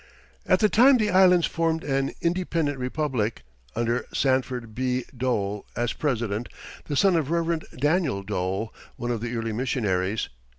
At that time the Islands formed an independent republic, under Sanford B. Dole as President, the son of Rev. Daniel Dole, one of the early missionaries.